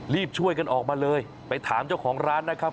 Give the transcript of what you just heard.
รีบช่วยกันออกมาเลยไปถามเจ้าของร้านนะครับ